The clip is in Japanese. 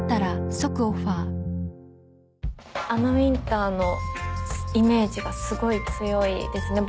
アナ・ウィンターのイメージがすごい強いですね